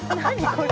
これ」